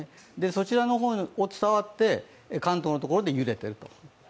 そちらの方を伝わって関東で揺れていると。